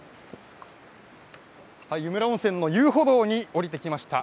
湯村温泉の遊歩道に下りてきました。